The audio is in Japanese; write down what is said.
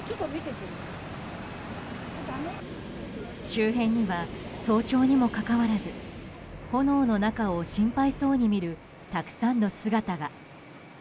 周辺には早朝にもかかわらず炎の中を心配そうに見るたくさんの姿が。